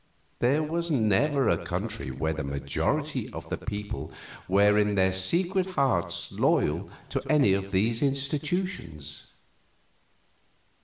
There was never a country where the majority of the people were in their secret hearts loyal to any of these institutions."